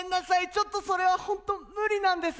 ちょっとそれはほんと無理なんです。